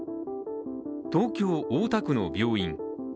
東京・大田区の病院